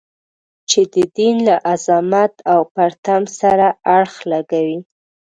چې د دین له عظمت او پرتم سره اړخ لګوي.